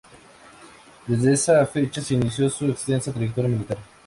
Desde esa fecha se inició su extensa trayectoria militar.